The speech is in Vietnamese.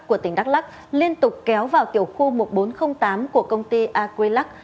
của tỉnh đắk lắc liên tục kéo vào tiểu khu một nghìn bốn trăm linh tám của công ty aquilac